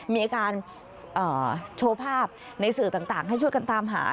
มีการโชว์ภาพในสื่อต่างให้ช่วยกันตามหา